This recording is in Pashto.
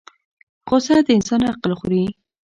غصه د انسان عقل خوري